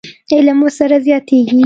علم ورسره زیاتېږي.